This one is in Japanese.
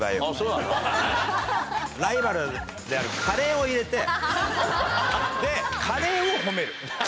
ライバルであるカレイを入れてでカレイを褒める。